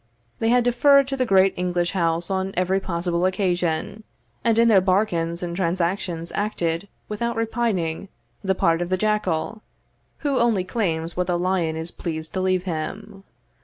They had deferred to the great English house on every possible occasion; and in their bargains and transactions acted, without repining, the part of the jackall, who only claims what the lion is pleased to leave him.